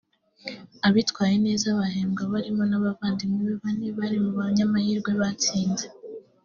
Abitwaye neza bahembwe barimo n’abavandimwe be bane bari mu banyamahirwe batsinze